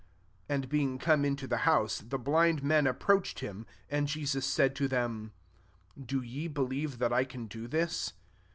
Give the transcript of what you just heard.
28 And being come into the house, the blind men ap proached him : and Jesus said to them, " Do ye believe that I can do this